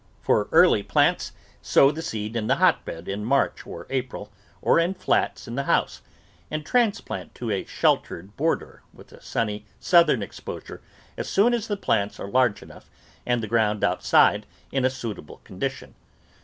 For early plants, sow the seed in the hotbed in March or April, or in flats in the house, and transplant to a sheltered border with a sunny southern exposure as soon as the plants are large enough and the ground outside in a suitable condition.